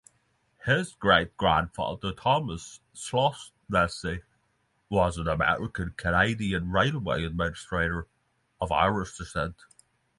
His great-grandfather Thomas Shaughnessy was an American-Canadian railway administrator of Irish descent.